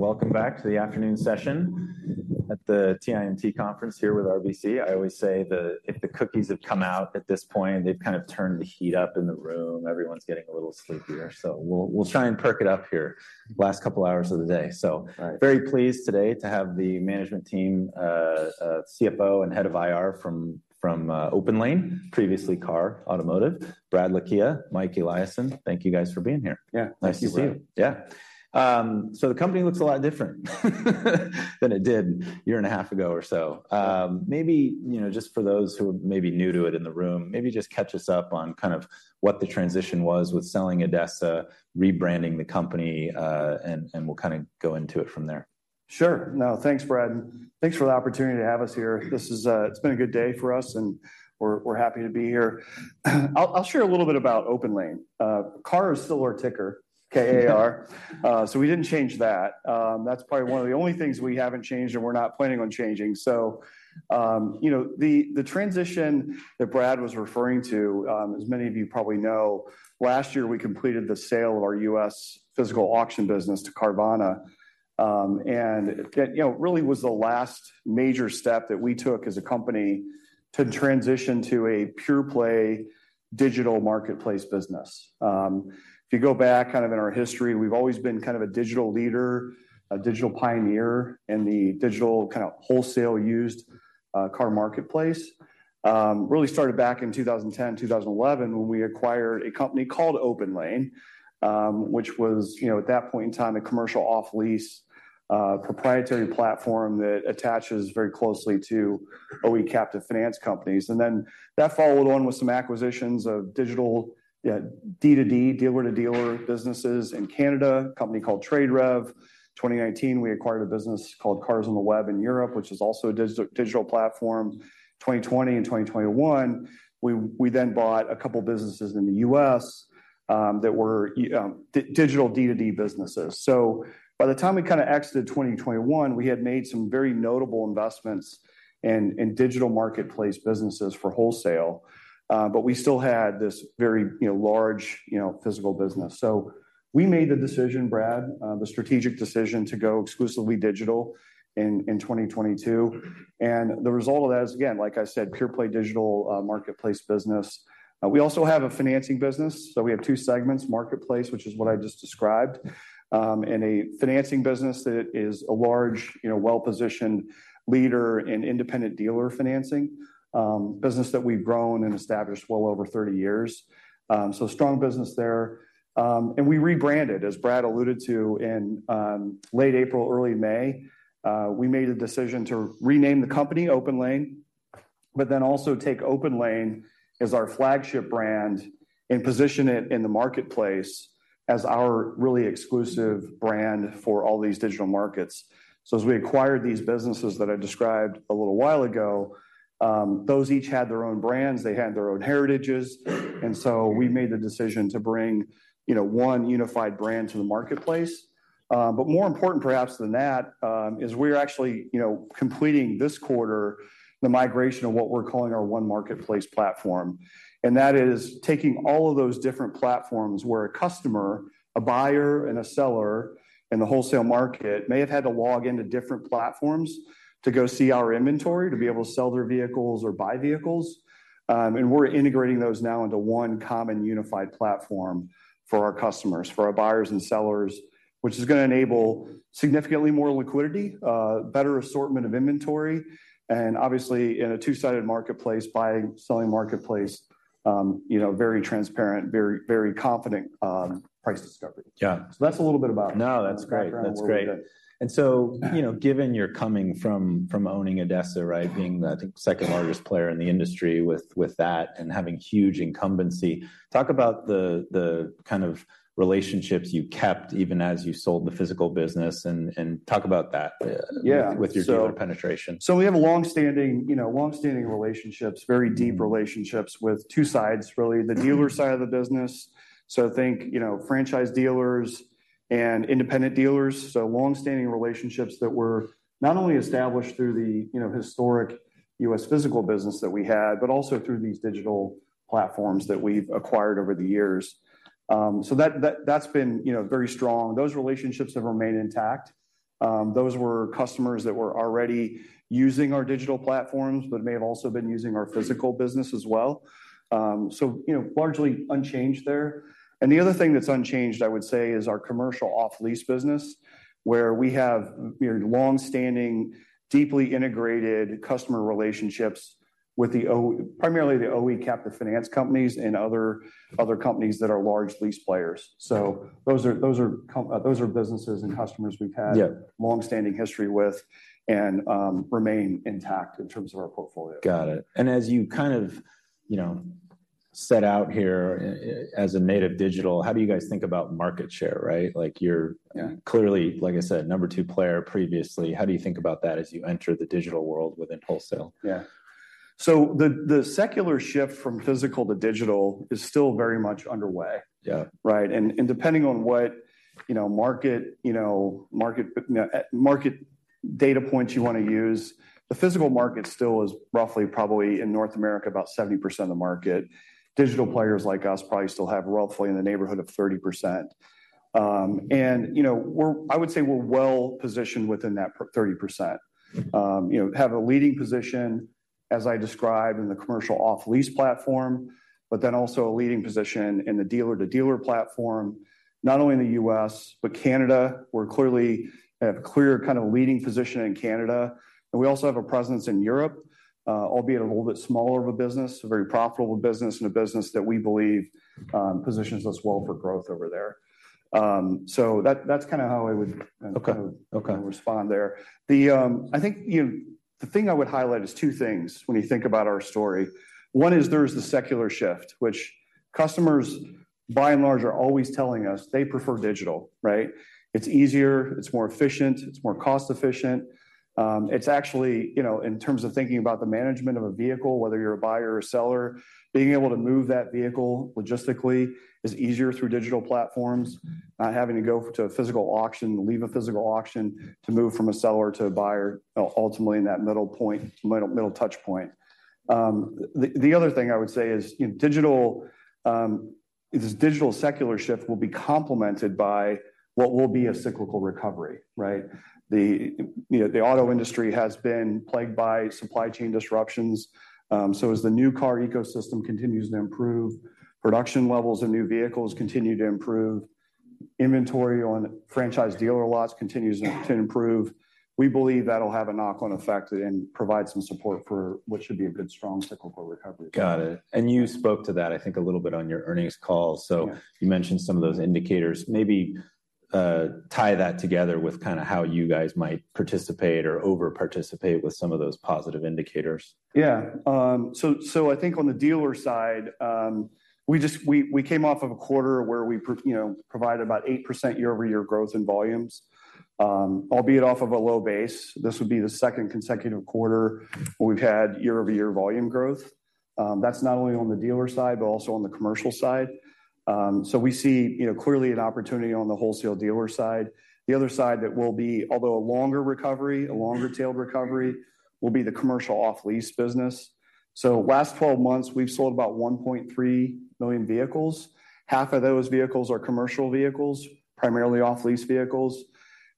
Cool. Welcome back to the afternoon session at the TIMT conference here with RBC. I always say that if the cookies have come out at this point, they've kind of turned the heat up in the room. Everyone's getting a little sleepier, so we'll try and perk it up here, last couple of hours of the day. So, very pleased today to have the management team, CFO, and Head of IR from OPENLANE, previously KAR Auction Services, Brad Lakhia, Mike Eliason. Thank you, guys, for being here. Yeah, thank you, Brad. Nice to see you. Yeah. So the company looks a lot different than it did a year and a half ago or so. Maybe, you know, just for those who are maybe new to it in the room, maybe just catch us up on kind of what the transition was with selling ADESA, rebranding the company, and we'll kind of go into it from there. Sure. No, thanks, Brad, and thanks for the opportunity to have us here. This is, it's been a good day for us, and we're happy to be here. I'll share a little bit about OPENLANE. KAR is still our ticker, K-A-R. So we didn't change that. That's probably one of the only things we haven't changed, and we're not planning on changing. So, you know, the transition that Brad was referring to, as many of you probably know, last year, we completed the sale of our U.S. physical auction business to Carvana. And that, you know, really was the last major step that we took as a company to transition to a pure-play digital marketplace business. If you go back kind of in our history, we've always been kind of a digital leader, a digital pioneer in the digital kind of wholesale used car marketplace. Really started back in 2010, 2011 when we acquired a company called OPENLANE, which was, you know, at that point in time, a commercial off-lease proprietary platform that attaches very closely to OE captive finance companies. And then that followed on with some acquisitions of digital, yeah, D2D, dealer-to-dealer businesses in Canada, a company called TradeRev. 2019, we acquired a business called CarsOnTheWeb in Europe, which is also a digital platform. 2020 and 2021, we then bought a couple businesses in the U.S., that were digital D2D businesses. So by the time we kind of exited 2021, we had made some very notable investments in digital marketplace businesses for wholesale, but we still had this very, you know, large, you know, physical business. So we made the decision, Brad, the strategic decision to go exclusively digital in 2022, and the result of that is, again, like I said, pure-play digital marketplace business. We also have a financing business, so we have two segments: marketplace, which is what I just described, and a financing business that is a large, you know, well-positioned leader in independent dealer financing business that we've grown and established well over 30 years. So strong business there. And we rebranded, as Brad alluded to, in late April, early May. We made a decision to rename the company OPENLANE, but then also take OPENLANE as our flagship brand and position it in the marketplace as our really exclusive brand for all these digital markets. So as we acquired these businesses that I described a little while ago, those each had their own brands, they had their own heritages, and so we made the decision to bring, you know, one unified brand to the marketplace. But more important perhaps than that, is we're actually, you know, completing this quarter the migration of what we're calling our one marketplace platform, and that is taking all of those different platforms where a customer, a buyer, and a seller in the wholesale market may have had to log into different platforms to go see our inventory, to be able to sell their vehicles or buy vehicles. And we're integrating those now into one common unified platform for our customers, for our buyers and sellers, which is gonna enable significantly more liquidity, better assortment of inventory, and obviously, in a two-sided marketplace, buying, selling marketplace, you know, very transparent, very, very confident price discovery. Yeah. That's a little bit about... No, that's great. ...background on what we did. That's great. And so, you know, given you're coming from owning ADESA, right, being, I think, the second largest player in the industry with that and having huge incumbency, talk about the kind of relationships you kept even as you sold the physical business and talk about that with your dealer penetration. So we have a long-standing, you know, long-standing relationships, very deep relationships with two sides, really, the dealer side of the business. So think, you know, franchise dealers and independent dealers, so long-standing relationships that were not only established through the, you know, historic U.S. physical business that we had, but also through these digital platforms that we've acquired over the years. So that's been, you know, very strong. Those relationships have remained intact. Those were customers that were already using our digital platforms but may have also been using our physical business as well. So, you know, largely unchanged there. And the other thing that's unchanged, I would say, is our commercial off-lease business, where we have very long-standing, deeply integrated customer relationships with the OE- primarily the OE captive finance companies and other companies that are large lease players. Those are businesses and customers we've had, long-standing history with and, remain intact in terms of our portfolio. Got it. And as you kind of, you know, set out here as a native digital, how do you guys think about market share, right? Like, you're- yeah- clearly, like I said, number two player previously. How do you think about that as you enter the digital world within wholesale? Yeah. So the secular shift from physical to digital is still very much underway, right? Depending on what, you know, market data points you want to use. The physical market still is roughly probably in North America, about 70% of the market. Digital players like us probably still have roughly in the neighborhood of 30%. And, you know, I would say we're well positioned within that thirty percent. You know, have a leading position, as I described, in the commercial off-lease platform, but then also a leading position in the dealer-to-dealer platform, not only in the U.S., but Canada. We're clearly have a clear kind of leading position in Canada, and we also have a presence in Europe, albeit a little bit smaller of a business, a very profitable business, and a business that we believe positions us well for growth over there. So that, that's kind of how I would respond there. The, I think, you know, the thing I would highlight is two things when you think about our story. One is there's the secular shift, which customers, by and large, are always telling us they prefer digital, right? It's easier, it's more efficient, it's more cost-efficient. It's actually, you know, in terms of thinking about the management of a vehicle, whether you're a buyer or seller, being able to move that vehicle logistically is easier through digital platforms. Not having to go to a physical auction, leave a physical auction to move from a seller to a buyer, ultimately, in that middle point, middle, middle touch point. The, the other thing I would say is, you know, digital, this digital secular shift will be complemented by what will be a cyclical recovery, right? You know, the auto industry has been plagued by supply chain disruptions. So as the new car ecosystem continues to improve, production levels of new vehicles continue to improve, inventory on franchise dealer lots continues to improve. We believe that'll have a knock-on effect and provide some support for what should be a good, strong cyclical recovery. Got it. You spoke to that, I think, a little bit on your earnings call. Yeah. So you mentioned some of those indicators. Maybe, tie that together with kind of how you guys might participate or over participate with some of those positive indicators. Yeah. So, so I think on the dealer side, we just. We came off of a quarter where we, you know, provided about 8% year-over-year growth in volumes, albeit off of a low base. This would be the second consecutive quarter where we've had year-over-year volume growth. That's not only on the dealer side, but also on the commercial side. So we see, you know, clearly an opportunity on the wholesale dealer side. The other side that will be, although a longer recovery, a longer tail recovery, will be the commercial off-lease business. So last 12 months, we've sold about 1.3 million vehicles. Half of those vehicles are commercial vehicles, primarily off-lease vehicles,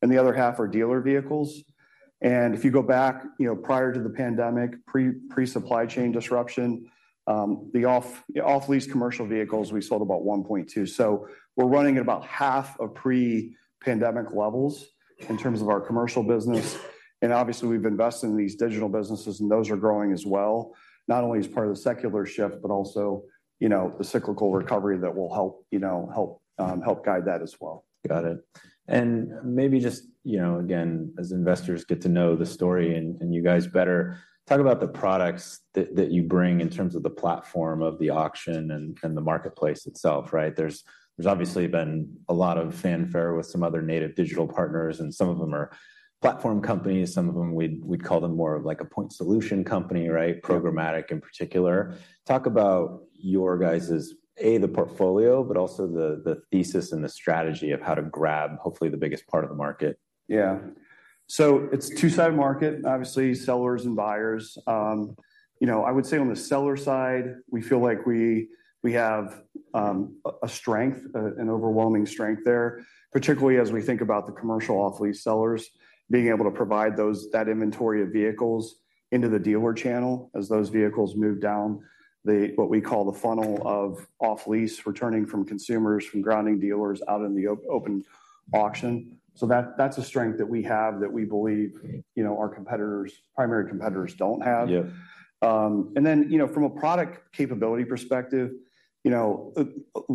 and the other half are dealer vehicles. If you go back, you know, prior to the pandemic, pre-supply chain disruption, the off-lease commercial vehicles, we sold about 1.2. So we're running at about half of pre-pandemic levels in terms of our commercial business, and obviously, we've invested in these digital businesses, and those are growing as well, not only as part of the secular shift, but also, you know, the cyclical recovery that will help, you know, help guide that as well. Got it. And maybe just, you know, again, as investors get to know the story and, and you guys better, talk about the products that, that you bring in terms of the platform of the auction and, and the marketplace itself, right? There's, there's obviously been a lot of fanfare with some other native digital partners, and some of them are platform companies. Some of them we'd, we'd call them more of like a point solution company, right- programmatic in particular. Talk about your guys's, A, the portfolio, but also the, the thesis and the strategy of how to grab hopefully the biggest part of the market. Yeah. So it's a two-sided market, obviously, sellers and buyers. You know, I would say on the seller side, we feel like we have a strength, an overwhelming strength there, particularly as we think about the commercial off-lease sellers being able to provide that inventory of vehicles into the dealer channel as those vehicles move down what we call the funnel of off-lease, returning from consumers, from grounding dealers out in the open auction. So that's a strength that we have that we believe, you know, our competitors, primary competitors don't have. Yeah. And then, you know, from a product capability perspective, you know,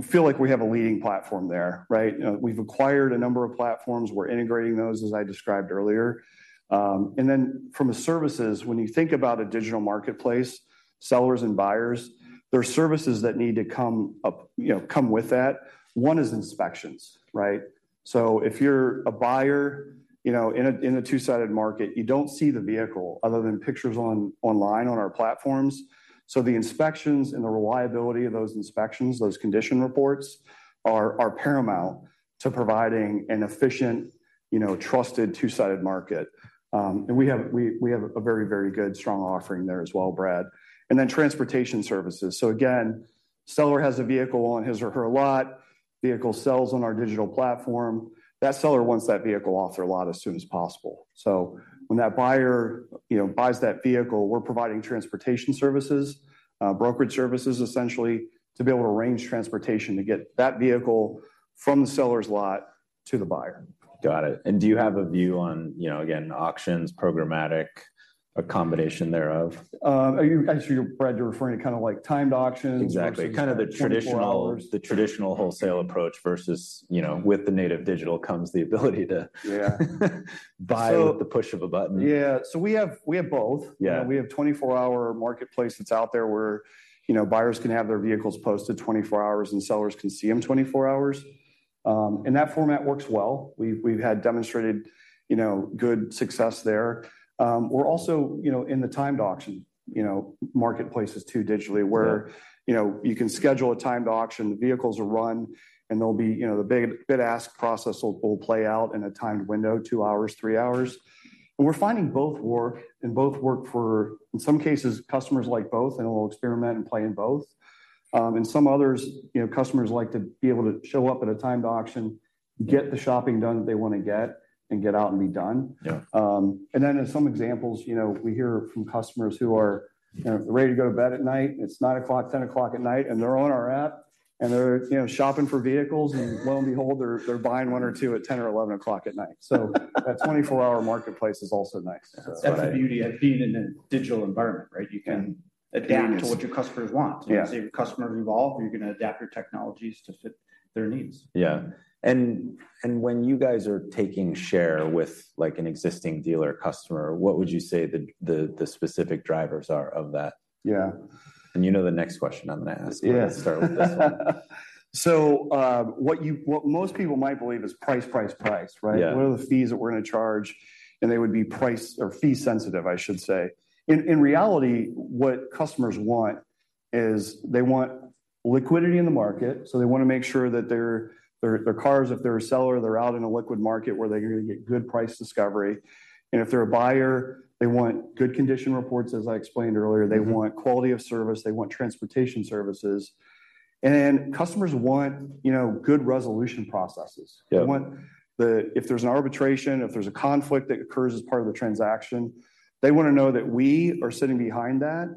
feel like we have a leading platform there, right? You know, we've acquired a number of platforms. We're integrating those, as I described earlier. And then from a services, when you think about a digital marketplace, sellers and buyers, there are services that need to come up, you know, come with that. One is inspections, right? So if you're a buyer, you know, in a two-sided market, you don't see the vehicle other than pictures online on our platforms. So the inspections and the reliability of those inspections, those condition reports, are paramount to providing an efficient, you know, trusted, two-sided market. And we have a very, very good strong offering there as well, Brad. And then transportation services. So again, seller has a vehicle on his or her lot, vehicle sells on our digital platform. That seller wants that vehicle off their lot as soon as possible. So when that buyer, you know, buys that vehicle, we're providing transportation services, brokerage services, essentially to be able to arrange transportation to get that vehicle from the seller's lot to the buyer. Got it. And do you have a view on, you know, again, auctions, programmatic, a combination thereof? Are you- I'm sure, Brad, you're referring to kind of like timed auctions? Exactly. Kind of the traditional wholesale approach versus, you know, with the native digital comes the ability to buy with the push of a button. Yeah. So we have, we have both. Yeah. We have 24-hour marketplace that's out there where, you know, buyers can have their vehicles posted 24 hours, and sellers can see them 24 hours, and that format works well. We've had demonstrated, you know, good success there. We're also, you know, in the timed auction, you know, marketplaces too, digitally where, you know, you can schedule a timed auction, the vehicles are run, and there'll be, you know, the big bid ask process will play out in a timed window, 2 hours, 3 hours. And we're finding both work, and both work for, in some cases, customers like both, and we'll experiment and play in both. And some others, you know, customers like to be able to show up at a timed auction, get the shopping done that they want to get, and get out and be done. Yeah. And then in some examples, you know, we hear from customers who are, you know, ready to go to bed at night, and it's 9:00 P.M., 10:00 P.M. at night, and they're on our app, and they're, you know, shopping for vehicles, and lo and behold, they're buying one or two at 10:00 or 11:00 P.M. at night. So that 24-hour marketplace is also nice. Yeah. That's the beauty of being in a digital environment, right? You can adapt... ...to what your customers want. Yeah. As your customers evolve, you're gonna adapt your technologies to fit their needs. Yeah. And when you guys are taking share with, like, an existing dealer customer, what would you say the specific drivers are of that? Yeah. You know the next question I'm gonna ask. Yeah. Let's start with this one. What most people might believe is price, price, price, right? Yeah. What are the fees that we're gonna charge? And they would be price-- or fee sensitive, I should say. In reality, what customers want is they want liquidity in the market, so they want to make sure that their cars, if they're a seller, they're out in a liquid market where they're gonna get good price discovery. And if they're a buyer, they want good condition reports, as I explained earlier. They want quality of service, they want transportation services, and customers want, you know, good resolution processes. They want the- if there's an arbitration, if there's a conflict that occurs as part of the transaction, they want to know that we are sitting behind that,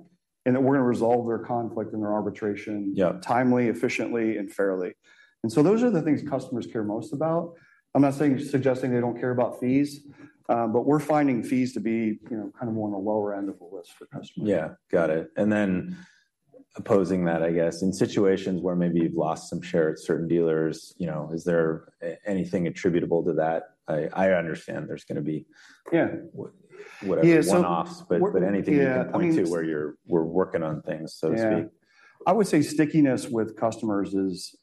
and that we're gonna resolve their conflict and their arbitration timely, efficiently, and fairly. And so those are the things customers care most about. I'm not saying, suggesting they don't care about fees, but we're finding fees to be, you know, kind of more on the lower end of the list for customers. Yeah, got it. And then opposing that, I guess, in situations where maybe you've lost some share at certain dealers, you know, is there anything attributable to that? I, I understand there's gonna be whatever, one-offs- but anything you can point to- where you're, "We're working on things," so to speak. Yeah. I would say stickiness with customers is,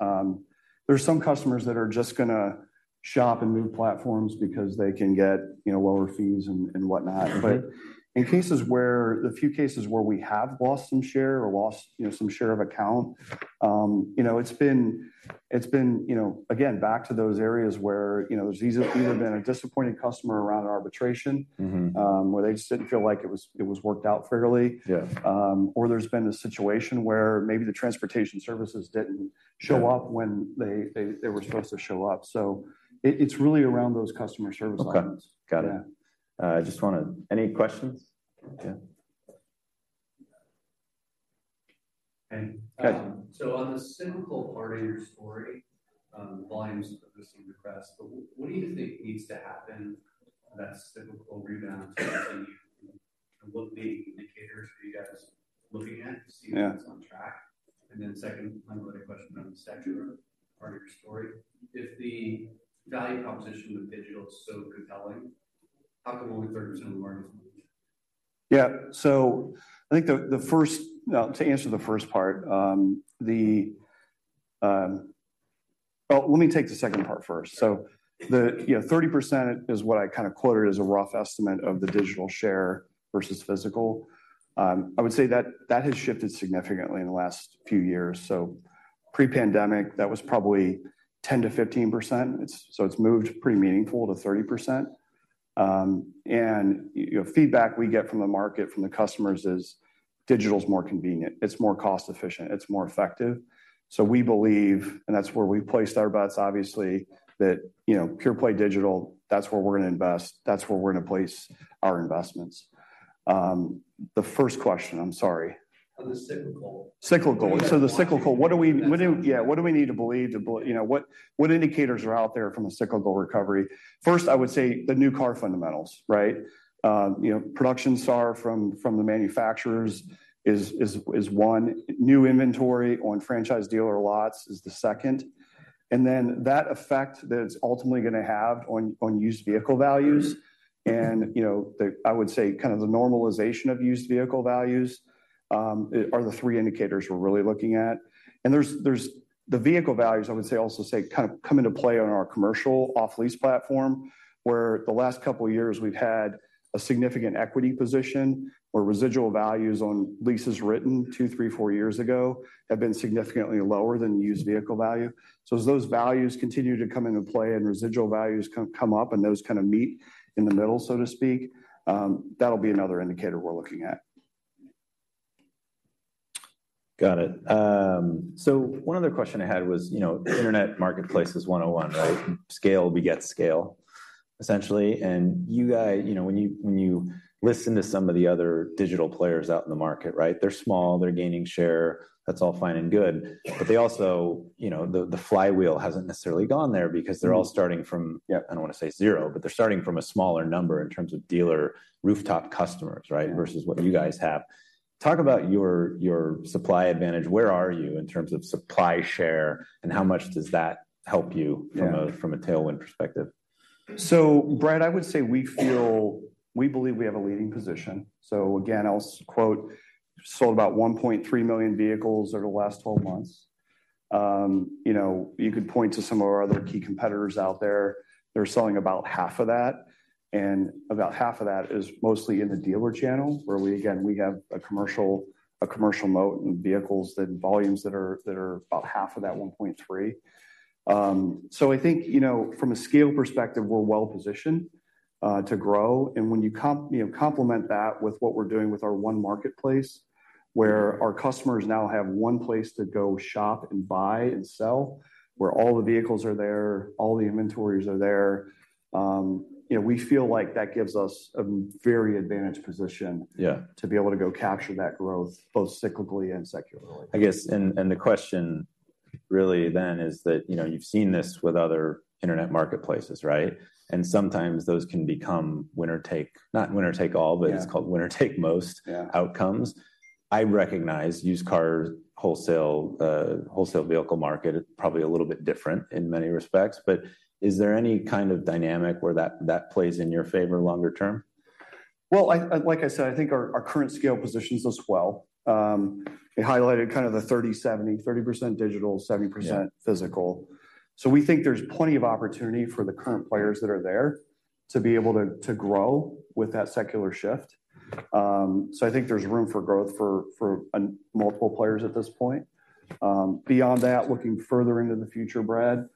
there's some customers that are just gonna shop in new platforms because they can get, you know, lower fees and whatnot. Mm-hmm. But in cases where the few cases where we have lost some share or lost, you know, some share of account, you know, it's been, you know, again, back to those areas where, you know, there's either either been a disappointed customer around an arbitration, where they just didn't feel like it was worked out fairly, or there's been a situation where maybe the transportation services didn't show up when they were supposed to show up. So it's really around those customer service items. Okay. Got it. I just wanted to... Any questions? Yeah. Hey. Hi. So on the cyclical part of your story, volumes of this request, but what do you think needs to happen for that cyclical rebound to continue? And what are the indicators are you guys looking at to see if it's on track? Then second, another question on the structure part of your story. If the value proposition of digital is so compelling, how come only 30% of the market is online? Yeah. So I think the first- to answer the first part, oh, let me take the second part first. So, you know, 30% is what I kind of quoted as a rough estimate of the digital share versus physical. I would say that has shifted significantly in the last few years. So pre-pandemic, that was probably 10%-15%. So it's moved pretty meaningful to 30%. And, you know, feedback we get from the market, from the customers is digital's more convenient, it's more cost-efficient, it's more effective. So we believe, and that's where we've placed our bets, obviously, that, you know, pure play digital, that's where we're gonna invest, that's where we're gonna place our investments. The first question, I'm sorry. On the cyclical. Cyclical. Yeah. So the cyclical, what do we need to believe, you know, what indicators are out there from a cyclical recovery? First, I would say the new car fundamentals, right? You know, production start from the manufacturers is one. New inventory on franchise dealer lots is the second. And then that effect that it's ultimately gonna have on used vehicle values. You know, I would say kind of the normalization of used vehicle values are the three indicators we're really looking at. And there's the vehicle values, I would say, also say, kind of come into play on our commercial off-lease platform, where the last couple of years we've had a significant equity position, where residual values on leases written 2, 3, 4 years ago have been significantly lower than used vehicle value. So as those values continue to come into play, and residual values come up, and those kind of meet in the middle, so to speak, that'll be another indicator we're looking at. Got it. So one other question I had was, you know, internet marketplace is 101, right? Scale, beget scale, essentially. And you guys, you know, when you listen to some of the other digital players out in the market, right? They're small, they're gaining share. That's all fine and good. But they also, you know, the flywheel hasn't necessarily gone there because they're all starting from- I don't want to say zero, but they're starting from a smaller number in terms of dealer rooftop customers, right, versus what you guys have. Talk about your supply advantage. Where are you in terms of supply share, and how much does that help you, from a tailwind perspective? So Brad, I would say we feel, we believe we have a leading position. So again, I'll quote, sold about 1.3 million vehicles over the last 12 months. You know, you could point to some of our other key competitors out there. They're selling about half of that, and about half of that is mostly in the dealer channel, where we again, we have a commercial, a commercial moat and volumes that are, that are about half of that 1.3. So I think, you know, from a scale perspective, we're well positioned to grow. And when you complement that with what we're doing with our one marketplace, where our customers now have one place to go shop and buy and sell, where all the vehicles are there, all the inventories are there, you know, we feel like that gives us a very advantaged position to be able to go capture that growth, both cyclically and secularly. I guess, and the question really then is that, you know, you've seen this with other internet marketplaces, right? And sometimes those can become winner take-- not winner take all but it's called winner take most outcomes. I recognize used car, wholesale, wholesale vehicle market is probably a little bit different in many respects, but is there any kind of dynamic where that, that plays in your favor longer term? Well, like I said, I think our current scale positions us well. It highlighted kind of the 30/70, 30% digital, 70% physical. So we think there's plenty of opportunity for the current players that are there to be able to, to grow with that secular shift. So I think there's room for growth for, for a multiple players at this point. Beyond that, looking further into the future, Brad,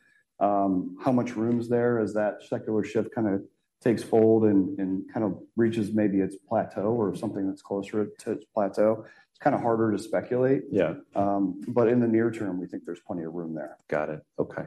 how much room is there as that secular shift kind of takes hold and, and kind of reaches maybe its plateau or something that's closer to its plateau? It's kind of harder to speculate, but in the near term, we think there's plenty of room there. Got it. Okay.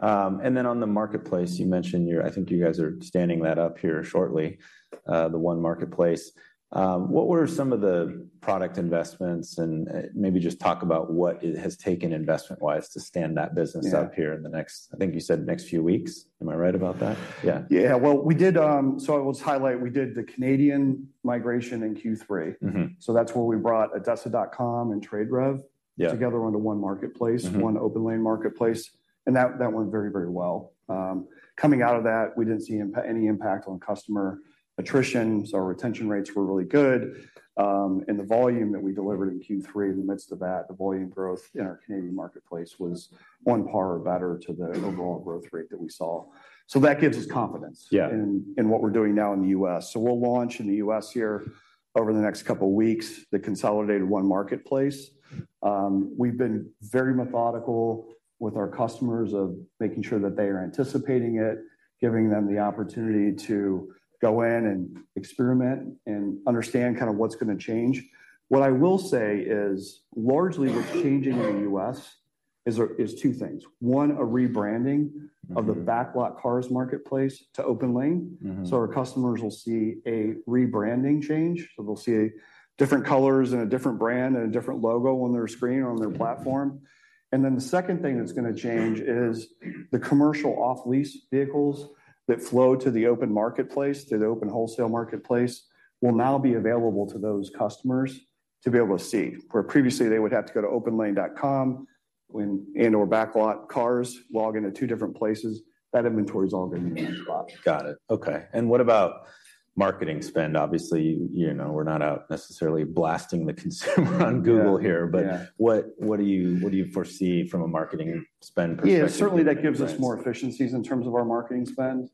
And then on the marketplace, you mentioned you're—I think you guys are standing that up here shortly, the one marketplace. What were some of the product investments? And, maybe just talk about what it has taken investment-wise to stand that business up here in the next, I think you said next few weeks. Am I right about that? Yeah. Yeah. Well, we did, so I will just highlight, we did the Canadian migration in Q3. Mm-hmm. That's where we brought ADESA.com and TradeRev together onto one marketplace- one OPENLANE marketplace, and that, that went very, very well. Coming out of that, we didn't see any impact on customer attrition, so our retention rates were really good. And the volume that we delivered in Q3, in the midst of that, the volume growth in our Canadian marketplace was on par or better to the overall growth rate that we saw. So that gives us confidence in what we're doing now in the U.S.. So we'll launch in the U.S. here over the next couple of weeks, the consolidated one marketplace. We've been very methodical with our customers of making sure that they are anticipating it, giving them the opportunity to go in and experiment and understand kind of what's going to change. What I will say is, largely what's changing in the U.S. is two things: one, a rebranding of the BacklotCars marketplace to OPENLANE. Mm-hmm. Our customers will see a rebranding change. They'll see different colors and a different brand and a different logo on their screen or on their platform. And then the second thing that's going to change is the commercial off-lease vehicles that flow to the OPENLANE marketplace, to the OPENLANE wholesale marketplace, will now be available to those customers to be able to see. Where previously, they would have to go to OPENLANE.com when and/or BacklotCars, log in to two different places, that inventory is all going to be in one spot. Got it. Okay. And what about marketing spend? Obviously, you know, we're not out necessarily blasting the consumer on Google here, but what do you foresee from a marketing spend perspective? Yeah, certainly, that gives us more efficiencies in terms of our marketing spend.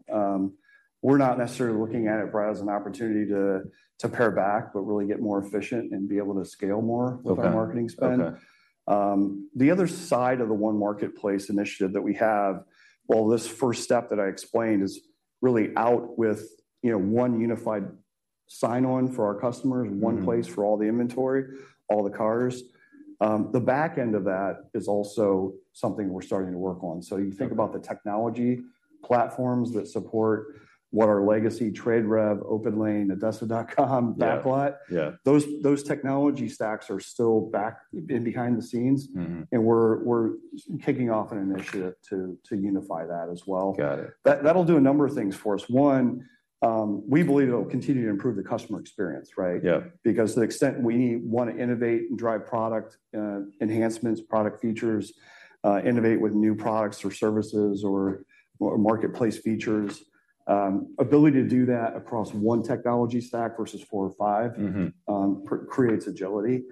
We're not necessarily looking at it, Brad, as an opportunity to pare back, but really get more efficient and be able to scale more with our marketing spend. Okay. The other side of the one marketplace initiative that we have, while this first step that I explained is really out with, you know, one unified sign-on for our customers- one place for all the inventory, all the cars. The back end of that is also something we're starting to work on. So you think about the technology platforms that support what our legacy TradeRev, OPENLANE, ADESA.com, Backlot- those technology stacks are still back-end behind the scenes, and we're kicking off an initiative to unify that as well. Got it. That, that'll do a number of things for us. One, we believe it'll continue to improve the customer experience, right? Yeah. Because to the extent we want to innovate and drive product enhancements, product features, innovate with new products or services or, or marketplace features, ability to do that across one technology stack versus four or five creates agility.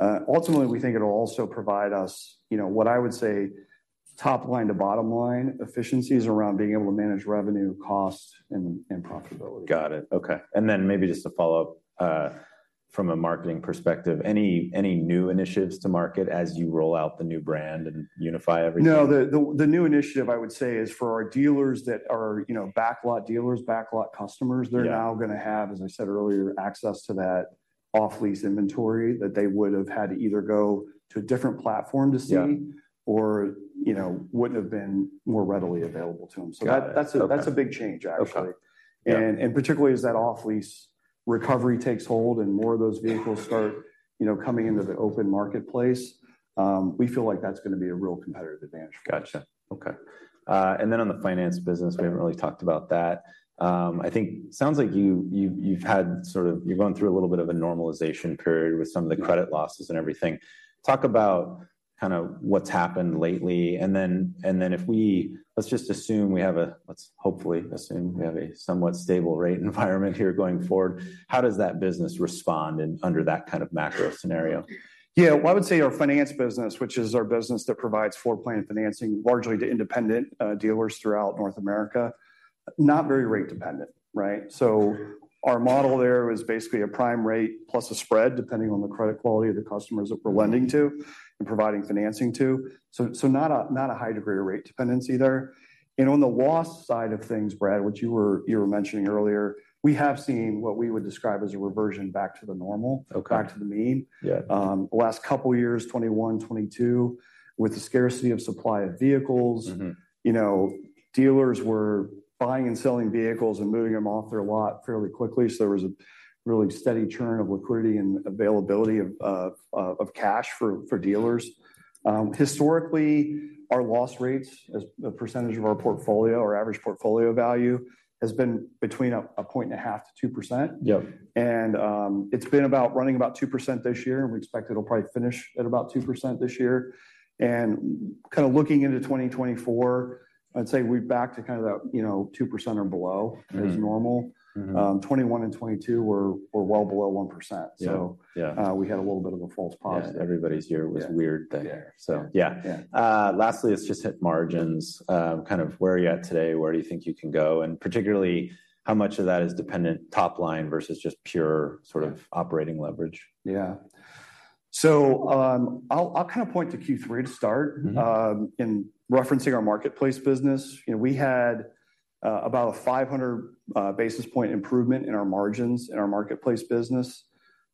Ultimately, we think it'll also provide us, you know, what I would say, top line to bottom line efficiencies around being able to manage revenue, cost, and, and profitability. Got it. Okay. And then maybe just to follow up, from a marketing perspective, any new initiatives to market as you roll out the new brand and unify everything? No, the new initiative, I would say, is for our dealers that are, you know, Backlot dealers, Backlot customers they're now going to have, as I said earlier, access to that off-lease inventory that they would have had to either go to a different platform to see, or, you know, wouldn't have been more readily available to them. Got it. So that's a big change, actually, and particularly as that off-lease recovery takes hold and more of those vehicles start, you know, coming into the open marketplace, we feel like that's going to be a real competitive advantage. Gotcha. Okay, and then on the finance business, we haven't really talked about that. I think sounds like you've gone through a little bit of a normalization period with some of the credit losses and everything. Talk about kind of what's happened lately, and then if we let's hopefully assume we have a somewhat stable rate environment here going forward. How does that business respond under that kind of macro scenario? Yeah. Well, I would say our finance business, which is our business that provides floorplan financing largely to independent dealers throughout North America, not very rate dependent, right? So our model there is basically a prime rate plus a spread, depending on the credit quality of the customers that we're lending to and providing financing to. So not a high degree of rate dependency there. And on the loss side of things, Brad, which you were mentioning earlier, we have seen what we would describe as a reversion back to the normal- back to the mean. Yeah. The last couple of years, 2021, 2022, with the scarcity of supply of vehicles- you know, dealers were buying and selling vehicles and moving them off their lot fairly quickly, so there was a really steady churn of liquidity and availability of cash for dealers. Historically, our loss rates as a percentage of our portfolio, our average portfolio value, has been between 1.5%-2%. Yep. It's been about running about 2% this year, and we expect it'll probably finish at about 2% this year. Kind of looking into 2024, I'd say we're back to kind of that, you know, 2% or below is normal. Mm-hmm. 2021 and 2022 were well below 1% we had a little bit of a false positive. Yeah, everybody's year was weird then. Yeah. So yeah. Yeah. Lastly, let's just hit margins. Kind of where are you at today? Where do you think you can go? And particularly, how much of that is dependent top line versus just pure sort of operating leverage? Yeah. So, I'll kind of point to Q3 to start In referencing our marketplace business. You know, we had about a 500 basis point improvement in our margins in our marketplace business,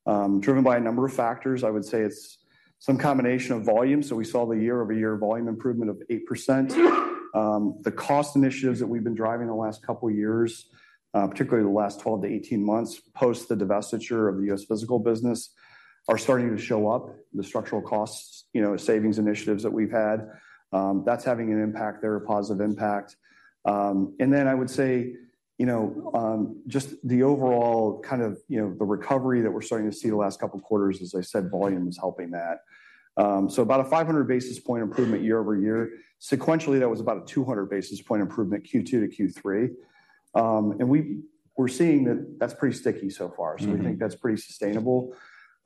driven by a number of factors. I would say it's some combination of volume, so we saw the year-over-year volume improvement of 8%. The cost initiatives that we've been driving the last couple of years, particularly the last 12-18 months, post the divestiture of the ADESA physical business, are starting to show up, the structural costs, you know, savings initiatives that we've had. That's having an impact there, a positive impact. And then I would say, you know, just the overall kind of, you know, the recovery that we're starting to see the last couple of quarters, as I said, volume is helping that. So about a 500 basis points improvement year-over-year. Sequentially, that was about a 200 basis points improvement Q2 to Q3. And we're seeing that that's pretty sticky so far, so we think that's pretty sustainable.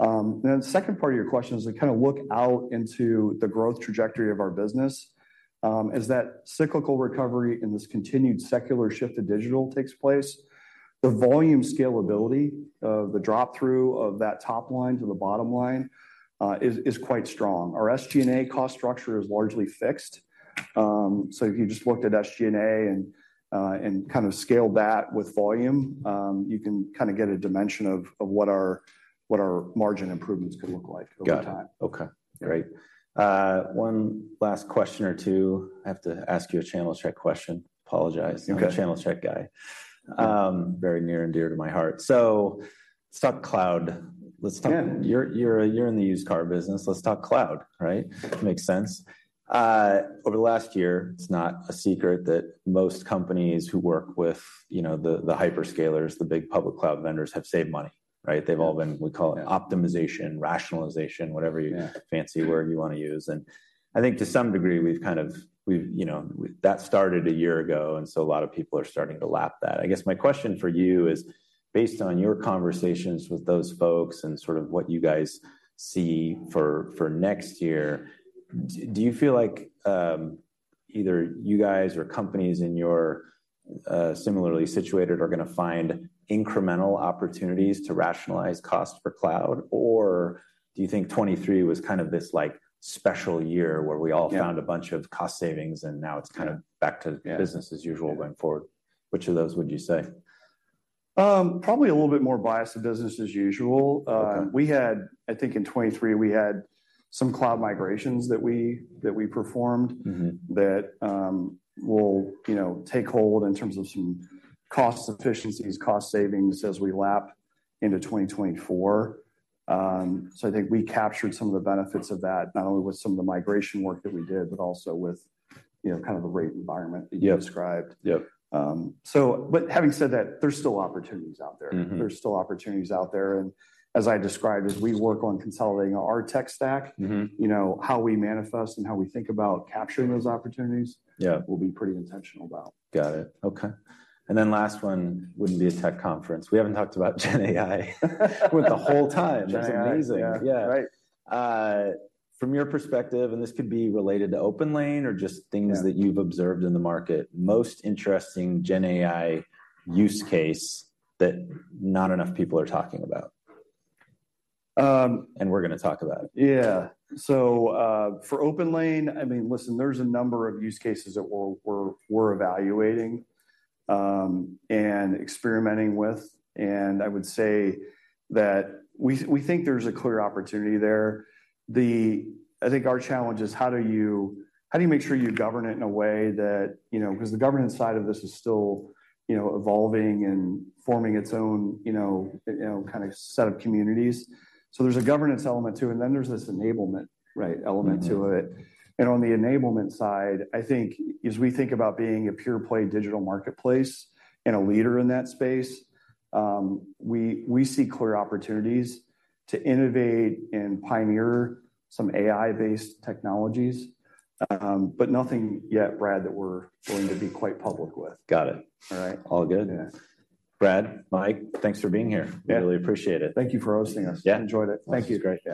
Then the second part of your question is to kind of look out into the growth trajectory of our business. As that cyclical recovery and this continued secular shift to digital takes place, the volume scalability of the drop-through of that top line to the bottom line is quite strong. Our SG&A cost structure is largely fixed. So if you just looked at SG&A and kind of scaled that with volume, you can kind of get a dimension of what our margin improvements could look like over time. Got it. Okay, great. One last question or two. I have to ask you a channel check question. Apologize. Okay. I'm a channel check guy. Very near and dear to my heart. So let's talk cloud. Let's talk- you're in the used car business. Let's talk cloud, right? Makes sense. Over the last year, it's not a secret that most companies who work with, you know, the hyperscalers, the big public cloud vendors, have saved money, right? They've all been, we call it- optimization, rationalization, whatever- fancy word you want to use. And I think to some degree, we've kind of, you know, that started a year ago, and so a lot of people are starting to lap that. I guess my question for you is, based on your conversations with those folks and sort of what you guys see for next year, do you feel like either you guys or companies in your similarly situated are going to find incremental opportunities to rationalize costs for cloud? Or do you think '2023 was kind of this, like, special year where we all found a bunch of cost savings, and now it's kind of back to business as usual going forward? Which of those would you say? Probably a little bit more biased to business as usual. We had- I think in 2023, we had some cloud migrations that we performed- that, you know, will take hold in terms of some cost efficiencies, cost savings as we lap into 2024. So I think we captured some of the benefits of that, not only with some of the migration work that we did, but also with, you know, kind of the rate environment that you described. Yep. So but having said that, there's still opportunities out there. Mm-hmm. There's still opportunities out there, and as I described, as we work on consolidating our tech stack, you know, how we manifest and how we think about capturing those opportunities, we'll be pretty intentional about. Got it. Okay. And then last one, wouldn't be a tech conference. We haven't talked about Gen AI the whole time. Gen AI. It's amazing. Yeah, right. From your perspective, and this could be related to OPENLANE or just things that you've observed in the market, most interesting Gen AI use case that not enough people are talking about. Um... We're gonna talk about. Yeah. So, for OPENLANE, I mean, listen, there's a number of use cases that we're evaluating and experimenting with, and I would say that we think there's a clear opportunity there. I think our challenge is how do you make sure you govern it in a way that, you know, because the governance side of this is still evolving and forming its own kind of set of communities. So there's a governance element too, and then there's this enablement, right, element to it. And on the enablement side, I think as we think about being a pure-play digital marketplace and a leader in that space, we see clear opportunities to innovate and pioneer some AI-based technologies. But nothing yet, Brad, that we're going to be quite public with. Got it. All right? All good. Yeah. Brad, Mike, thanks for being here. Yeah. We really appreciate it. Thank you for hosting us. Yeah. Enjoyed it. Thank you. It's great to have you.